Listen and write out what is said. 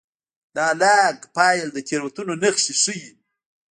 دا لاګ فایل د تېروتنو نښې ښيي.